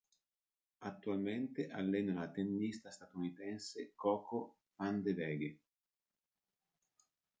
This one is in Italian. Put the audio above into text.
Attualmente allena la tennista statunitense CoCo Vandeweghe.